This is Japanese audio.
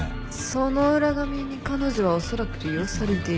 その浦上に彼女はおそらく利用されている。